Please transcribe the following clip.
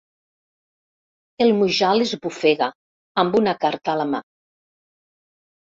El Mujal esbufega, amb una carta a la mà.